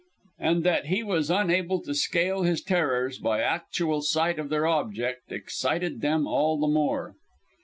And that he was unable to scale his terrors by actual sight of their object excited them all the more.